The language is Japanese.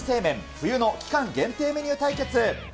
冬の期間限定メニュー対決。